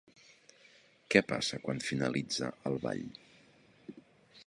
Què passa quan finalitza el ball?